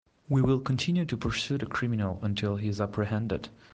We will continue to pursue the criminal until he is apprehended.